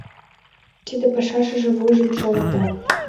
Тиде пашашыже вуйжым шалата...